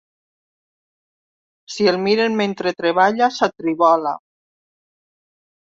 Si el miren mentre treballa, s'atribola.